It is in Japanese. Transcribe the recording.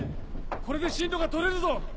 これで針路がとれるぞ！